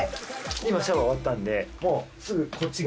今シャワー終わったんでもうすぐこっちが。